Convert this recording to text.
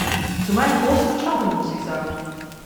Zu meinem großen Erstaunen, muss ich sagen!